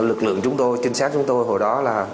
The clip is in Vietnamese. lực lượng chúng tôi trinh sát chúng tôi hồi đó là